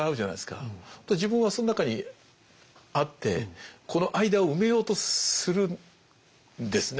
自分はその中にあってこの間を埋めようとするんですね